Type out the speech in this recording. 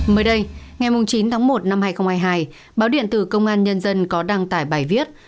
mới đây ngày chín tháng một năm hai nghìn hai mươi hai báo điện tử công an nhân dân có đăng tải bài viết